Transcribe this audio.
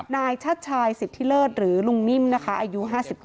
นายชัดชายสิทธิเลิศหรือลุงนิ่มนะคะอายุ๕๙